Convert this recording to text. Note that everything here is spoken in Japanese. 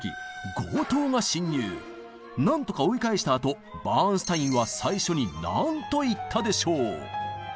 なんとか追い返したあとバーンスタインは最初に何と言ったでしょう？